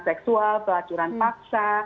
seksual pelacuran paksa